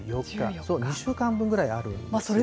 そう、２週間分ぐらいあるんです。